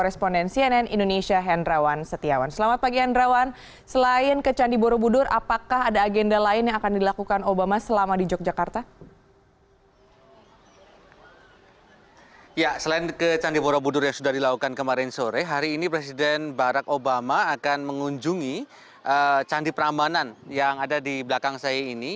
selain ke candi borobudur yang sudah dilakukan kemarin sore hari ini presiden barack obama akan mengunjungi candi prambanan yang ada di belakang saya ini